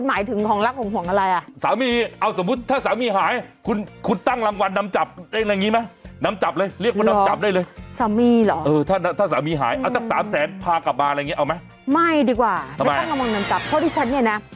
ไม่ดีกว่าไม่ตั้งลำวันนำจับเพราะฉันนี่นะ